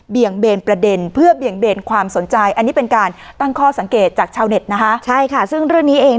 เบียงเบนประเด็นเพื่อเบียงเบนความสนใจอันนี้เป็นการตั้งข้อสังเกตจากชาวเน็ตนะฮะฉะนี้เอง